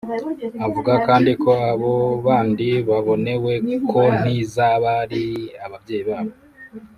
Avuga kandi ko abo bandi babonewe konti z’abari ababyeyi babo